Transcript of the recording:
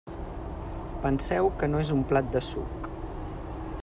Penseu que no és un plat de suc.